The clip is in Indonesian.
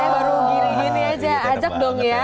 gini aja ajak dong ya